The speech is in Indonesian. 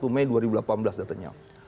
tiga puluh satu mei dua ribu delapan belas datanya